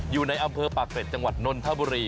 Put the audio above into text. อยู่ในอำเภอปากเกร็จจังหวัดนนทบุรี